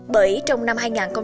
bởi trong năm hai nghìn hai mươi